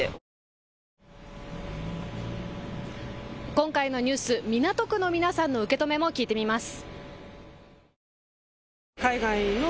今回のニュース、港区の皆さんの受け止めも聞いてみます。